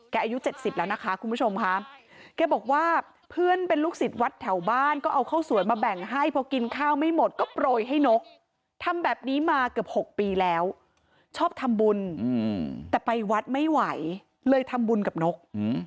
อายุ๗๐แล้วนะคะคุณผู้ชมค่ะแกบอกว่าเพื่อนเป็นลูกศิษย์วัดแถวบ้านก็เอาข้าวสวยมาแบ่งให้พอกินข้าวไม่หมดก็โปรยให้นกทำแบบนี้มาเกือบ๖ปีแล้วชอบทำบุญแต่ไปวัดไม่ไหวเลยทำบุญกับนก